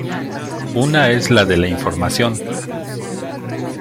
Una es la de la información.